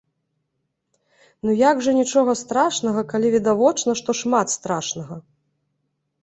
Ну як жа нічога страшнага, калі відавочна, што шмат страшнага!